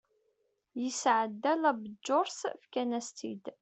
yesɛedda la bǧurse fkan-as-tt-id